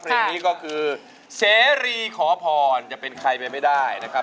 เพลงนี้ก็คือเสรีขอพรจะเป็นใครไปไม่ได้นะครับ